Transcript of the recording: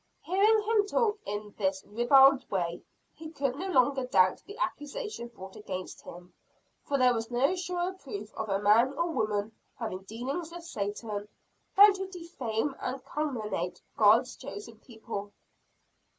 Hearing him talk in this ribald way, he could no longer doubt the accusation brought against him; for there was no surer proof of a man or woman having dealings with Satan, than to defame and calumniate God's chosen people.